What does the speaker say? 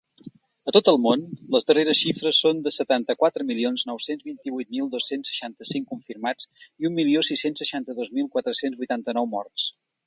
A tot el món, les darreres xifres són de setanta-quatre milions nou-cents vint-i-vuit mil dos-cents seixanta-cinc confirmats i un milió sis-cents seixanta-dos mil quatre-cents vuitanta-nou morts.